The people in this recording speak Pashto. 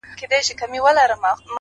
رڼا ترې باسم له څراغه ـ